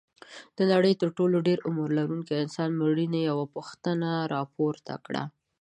د نړۍ تر ټولو د ډېر عمر لرونکي انسان مړینې یوه پوښتنه راپورته کړې.